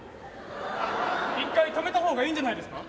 一回止めた方がいいんじゃないですか？